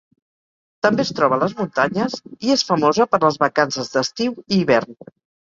També es troba a les muntanyes i és famosa per les vacances d'estiu i hivern.